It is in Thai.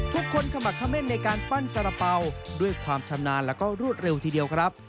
ขมักเขม่นในการปั้นสารเป๋าด้วยความชำนาญแล้วก็รวดเร็วทีเดียวครับ